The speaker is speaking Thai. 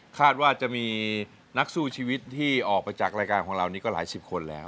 คาดว่าจะมีนักสู้ชีวิตที่ออกไปจากรายการของเรานี่ก็หลายสิบคนแล้ว